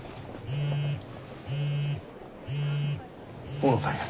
大野さんや。